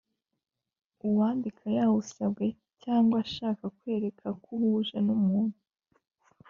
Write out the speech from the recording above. uwandika yawusabwe cyangwa ashaka kwerekana ko uhuje n’umuntu